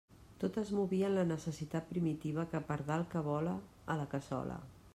Tot es movia en la necessitat primitiva que pardal que vola, a la cassola.